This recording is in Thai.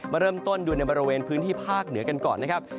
มาเริ่มต้นดูในบริเวณพื้นที่ภาคเหนือกันก่อนนะครับ